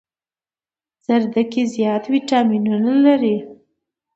زردکي زيات ويټامينونه لري